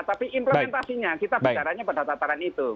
tapi implementasinya kita bicaranya pada tataran itu